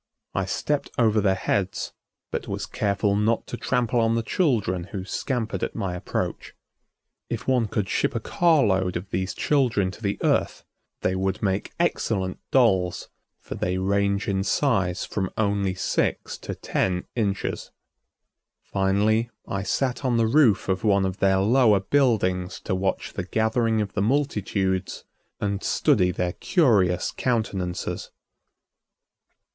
I stepped over their heads but was careful not to trample on the children who scampered at my approach. If one could ship a car load of these children to the Earth, they would make excellent dolls, for they range in size from only six to ten inches. Finally, I sat on the roof of one of their lower buildings to watch the gathering of the multitudes and study their curious countenances.